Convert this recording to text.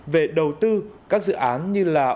về đầu tư các dự án như là